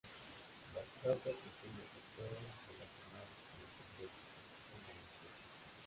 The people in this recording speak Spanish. Las causas incluyen factores relacionados con los ingresos, así como los costos.